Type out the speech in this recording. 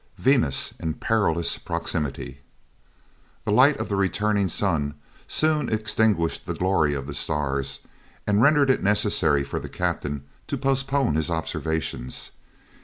VENUS IN PERILOUS PROXIMITY The light of the returning sun soon extinguished the glory of the stars, and rendered it necessary for the captain to postpone his observations.